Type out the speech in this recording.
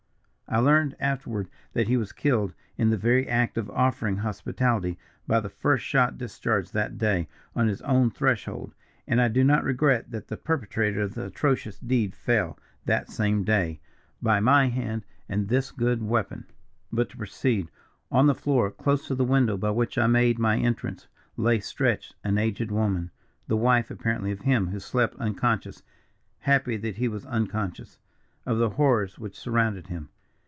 I learned afterward that he was killed, in the very act of offering hospitality, by the first shot discharged that day, on his own threshold; and I do not regret that the perpetrator of the atrocious deed fell, that same day, by my hand and this good weapon. "But to proceed. On the floor, close to the window by which I made my entrance, lay stretched an aged woman, the wife apparently of him who slept unconscious happy that he was unconscious of the horrors which surrounded him.